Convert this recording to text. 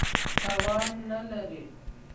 توان نه لري.